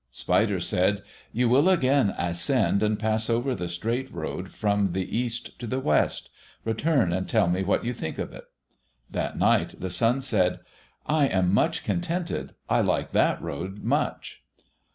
Spider said, "You will again ascend and pass over the straight road from the east to the west. Return and tell me what you think of it." That night the sun said, "I am much contented. I like that road much."